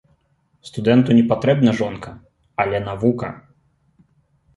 Студэнту не патрэбна жонка, але навука.